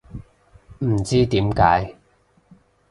唔知點解